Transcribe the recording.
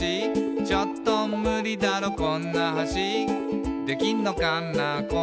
「ちょっとムリだろこんな橋」「できんのかなこんな橋」